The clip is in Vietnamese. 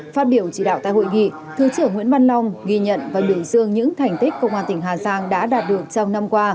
phát biểu chỉ đạo tại hội nghị thứ trưởng nguyễn văn long ghi nhận và biểu dương những thành tích công an tỉnh hà giang đã đạt được trong năm qua